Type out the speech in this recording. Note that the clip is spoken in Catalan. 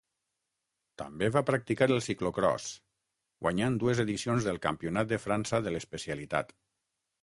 També va practicar el ciclocròs, guanyant dues edicions del Campionat de França de l'especialitat.